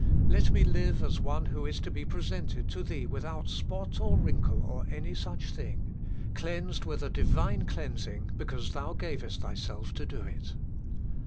Let me live as one who is to be presented to Thee without spot or wrinkle or any such thing cleansed with a Divine cleansing, because Thou gavest Thyself to do it.